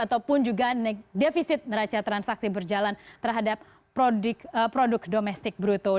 ataupun juga defisit neraca transaksi berjalan terhadap produk domestik bruto